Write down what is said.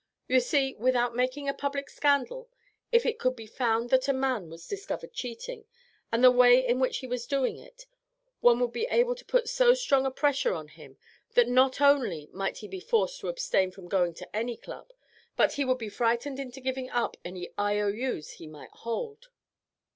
You see, without making a public scandal, if it could be found that a man was discovered cheating, and the way in which he was doing it, one would be able to put so strong a pressure on him, that not only might he be forced to abstain from going to any club, but would be frightened into giving up any IOUs he might hold."